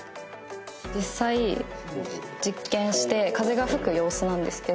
実際実験して風が吹く様子なんですけど。